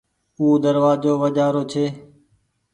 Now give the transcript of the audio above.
او دروآزو وجهآ رو ڇي۔